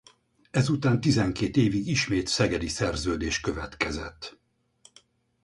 Ezután tizenkét évig ismét szegedi szerződés következett.